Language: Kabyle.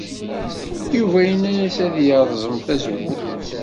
Yuba yenna-as ad yerẓem tazewwut.